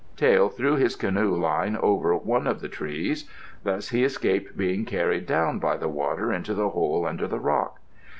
Tael threw his canoe line over one of the trees. Thus he escaped being carried down by the water into the hole under the rock.